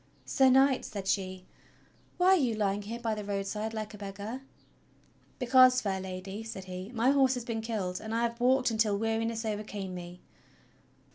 "Sir Knight," said she, "why are you lying here by the road side like a beggar.?" "Because, fair Lady," said he, "my horse has been killed, and I have walked until weariness overcame me."